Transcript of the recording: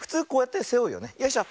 よいしょ。